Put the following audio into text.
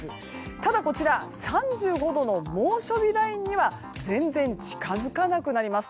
ただ、３５度の猛暑日ラインには全然近づかなくなります。